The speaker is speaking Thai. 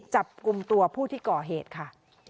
จับกลุ่มตัวผู้ที่ก่อเหตุค่ะ